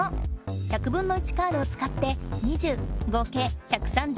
１００分の１カードをつかって２０合計１３５とした。